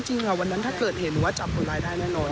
จริงวันนั้นถ้าเกิดเห็นหรือว่าจับคนร้ายได้แน่นอน